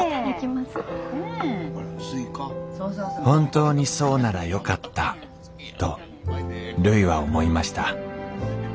本当にそうならよかったとるいは思いました。